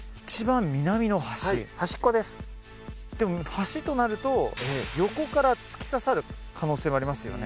はい端っこですでも端となると横から突き刺さる可能性もありますよね？